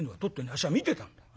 あっしは見てたんだ。